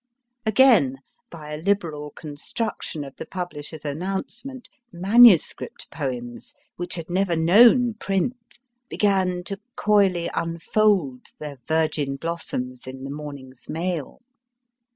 Again, by a liberal construction of the publisher s announcement, manuscript poems, which had never known print, began to coyly unfold their virgin blossoms in the morning s mail.